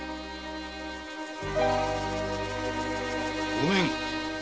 ごめん。